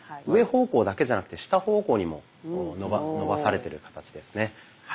上方向だけじゃなくて下方向にも伸ばされてる形ですね。